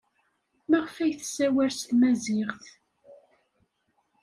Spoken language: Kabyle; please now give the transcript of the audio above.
Maɣef ay tessawal s tmaziɣt?